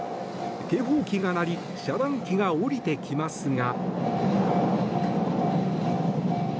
警報機が鳴り遮断機が下りてきますが。